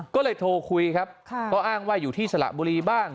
ก็เลยโทรคุยครับก็อ้างว่าอยู่ที่สระบุรีบ้าง